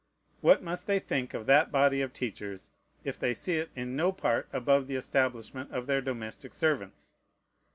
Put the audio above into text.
What must they think of that body of teachers, if they see it in no part above the establishment of their domestic servants?